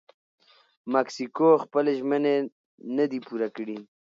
مکسیکو خپلې ژمنې نه دي پوره کړي.